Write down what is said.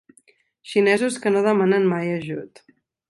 Xinesos que no demanen mai ajut.